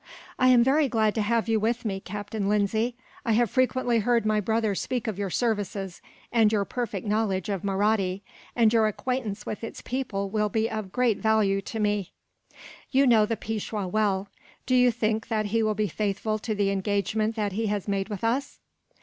"I am very glad to have you with me, Captain Lindsay. I have frequently heard my brother speak of your services, and your perfect knowledge of Mahratti, and your acquaintance with its people will be of great value to me. "You know the Peishwa well. Do you think that he will be faithful to the engagement that he has made with us?"